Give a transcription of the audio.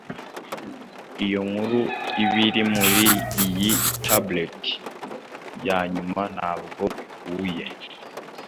iyo nkuru Ibiri muri iyi tablet yanyuma ntabwo bihuye